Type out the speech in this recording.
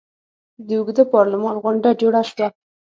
د اوږده پارلمان غونډه جوړه شوه.